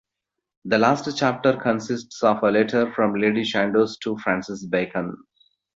The last chapter consists of a letter from Lady Chandos to Francis Bacon.